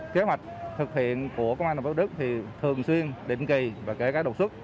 kế hoạch thực hiện của công an đồng bắc đức thì thường xuyên định kỳ và kể cả độc xuất